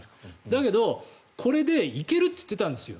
だけどこれで行けると言っていたんです。